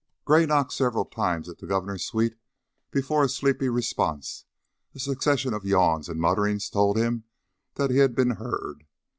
Gray knocked several times at the Governor's suite before a sleepy response, a succession of yawns and mutterings, told him that he had been heard.